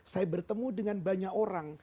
saya bertemu dengan banyak orang